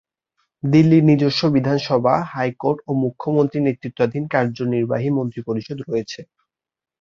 দিল্লির নিজস্ব বিধানসভা, হাইকোর্ট ও মুখ্যমন্ত্রীর নেতৃত্বাধীন কার্যনির্বাহী মন্ত্রিপরিষদ রয়েছে।